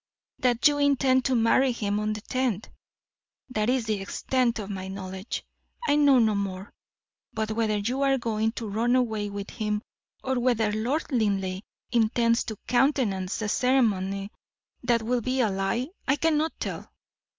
"That you intend to marry him on the tenth. That is the extent of my knowledge; I know no more. But whether you are going to run away with him, or whether Lord Linleigh intends to countenance a ceremony that will be a lie, I cannot tell.